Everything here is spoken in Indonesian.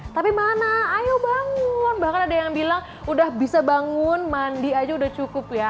tapi mana ayo bangun bahkan ada yang bilang udah bisa bangun mandi aja udah cukup ya